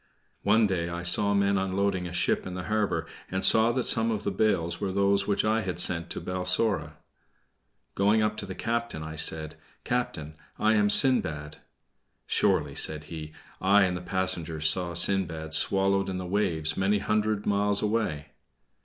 One day I saw men unloading a ship in the harbor, and saw that some of the bales were those which I had sent to Balsora. Going up to the captain, I said: "Captain, I am Sindbad." "Surely," said he, "I and the passengers saw Sindbad swallowed in the waves many hundred miles away."